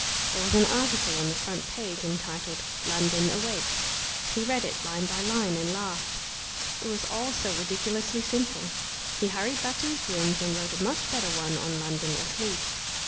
There was an article on the front page entitled "London Awake." He read it line by line and laughed. It was all so ridiculously simple. He hurried back to his rooms and wrote a much better one on "London Asleep."